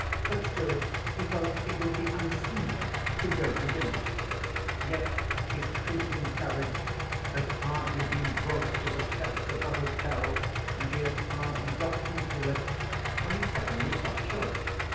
But still he felt it would be unseemly to go to dinner. Yet his creaking carriage had hardly been brought to the steps of the hotel, and he had hardly got into it, when he suddenly stopped short.